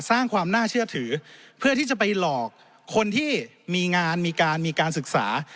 สร้างความน่าเชื่อถือเพื่อที่จะไปหลอกคนที่มีงานมีการมีการศึกษา